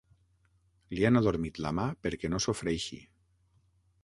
Li han adormit la mà perquè no sofreixi.